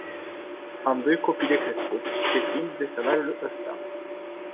Am doi copii de crescut și depind de salariul ăsta.